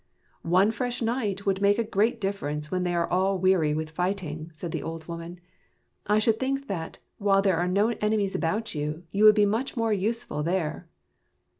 " One fresh knight would make a great difference when they are all weary with fighting," said the old woman. " I should think that, while there are no enemies about, you would be much more useful there."